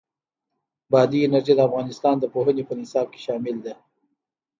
بادي انرژي د افغانستان د پوهنې په نصاب کې شامل ده.